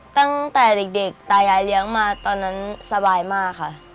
ตั้งแต่เด็กตายายเลี้ยงมาตอนนั้นสบายมากค่ะ